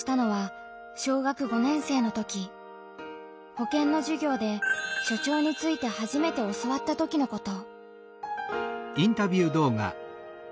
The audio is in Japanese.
保健の授業で初潮について初めて教わったときのこと。